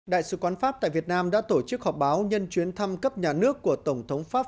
đại sứ quán pháp tại việt nam đã tổ chức họp báo nhân chuyến thăm cấp nhà nước của tổng thống pháp